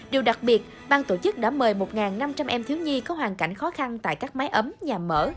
điều đặc biệt bang tổ chức đã mời một năm trăm linh em thiếu nhi có hoàn cảnh khó khăn tại các máy ấm nhà mở